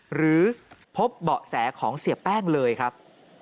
หรือพบเบาะแสของเสียแป้งเลยครับ